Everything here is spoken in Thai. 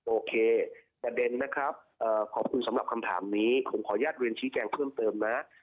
โอเคประเด็นนะครับขอบคุณสำหรับคำถามนี้ผมขออนุญาตเรียนชี้แจงเพิ่มเติมนะ